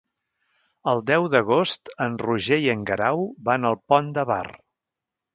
El deu d'agost en Roger i en Guerau van al Pont de Bar.